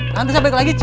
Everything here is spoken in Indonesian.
nanti saya balik lagi je